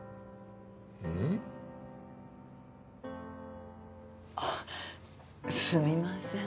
んっ？あっすみません。